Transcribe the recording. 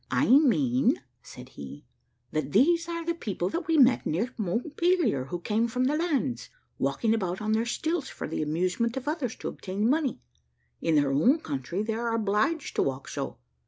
"I mean," said he, "that these are the people that we met near Montpelier, who came from the landes, walking about on their stilts for the amusement of others, to obtain money. In their own country they are obliged to walk so.